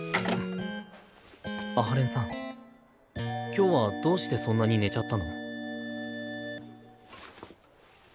今日はどうしてそんなに寝ちゃったの？